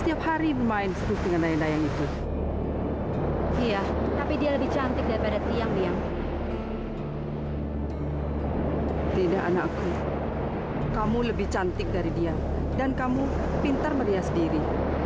tidak anakku kamu lebih cantik dari dia dan kamu pintar merias diri